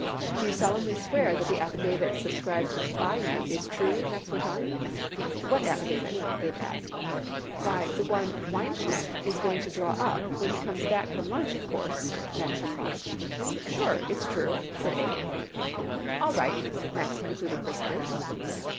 "Do you solemnly swear that the affidavit subscribed by you is true?" Max went on. "What affidavit?" Abe asked. "Why, the one Weinschenck is going to draw when he comes back from lunch, of course," Max replied. "Sure it's true," said Abe. "All right," Max concluded briskly.